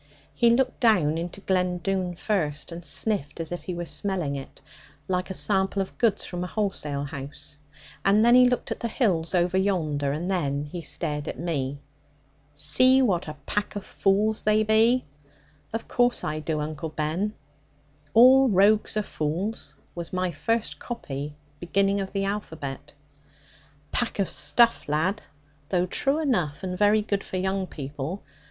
He looked down into Glen Doone first, and sniffed as if he were smelling it, like a sample of goods from a wholesale house; and then he looked at the hills over yonder, and then he stared at me. 'See what a pack of fools they be?' 'Of course I do, Uncle Ben. "All rogues are fools," was my first copy, beginning of the alphabet.' 'Pack of stuff lad. Though true enough, and very good for young people.